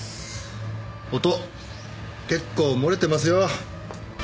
音結構漏れてますよ。